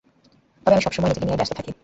তবে আমি সবসময় নিজেকে নিয়েই ব্যাস্ত থাকি।